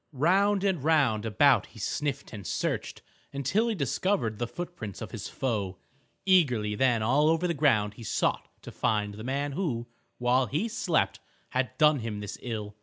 Round and round about he sniffed and searched until he discovered the footprints of his foe. Eagerly then all over the ground he sought to find the man who, while he slept, had done him this ill.